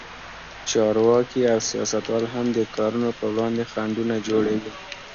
چارواکي او سیاستوال هم د کارونو پر وړاندې خنډونه جوړوي.